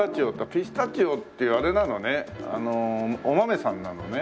ピスタチオってあれなのねお豆さんなのね。